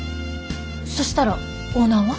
そしたらオーナーは？